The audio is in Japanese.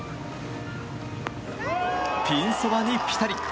ピンそばにピタリ。